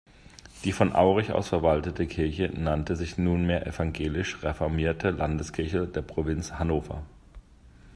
Die von Aurich aus verwaltete Kirche nannte sich nunmehr "Evangelisch-reformierte Landeskirche der Provinz Hannover".